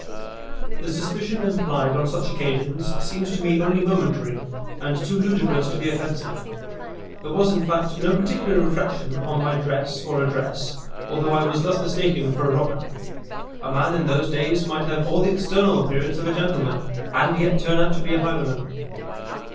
The suspicion implied on such occasions seemed to me only momentary, and too ludicrous to be offensive. There was, in fact, no particular reflection on my dress or address, although I was thus mistaken for a robber. A man in those days might have all the external appearance of a gentleman, and yet turn out to be a highwayman.